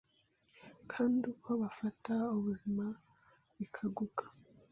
kandi uko bafata ubuzima bikaguka.